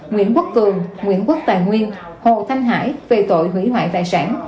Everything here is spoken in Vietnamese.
nguyễn quốc cường nguyễn quốc tài nguyên hồ thanh hải về tội hủy hoại tài sản